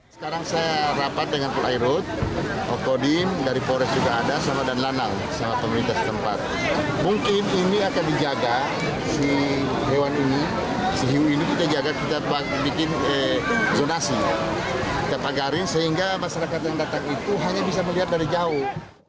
mereka masyarakat yang datang itu hanya bisa melihat dari jauh